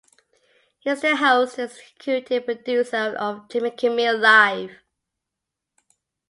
He is the host and executive producer of Jimmy Kimmel Live!